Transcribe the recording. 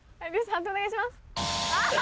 判定お願いします。